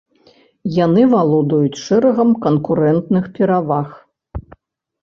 Яны валодаюць шэрагам канкурэнтных пераваг.